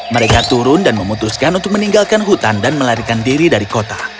mereka turun dan memutuskan untuk meninggalkan hutan dan melarikan diri dari kota